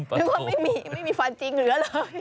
ผมคิดว่าไม่มีฟันจริงหรืออะไร